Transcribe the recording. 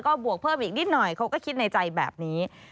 ก็บวกเพิ่มอีกนิดหน่อยเขาก็คิดในใจแบบนี้